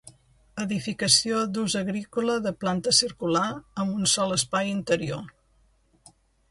Edificació d’ús agrícola de planta circular amb un sol espai interior.